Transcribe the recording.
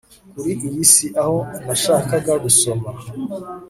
kuri iyi si, aho nashakaga gusoma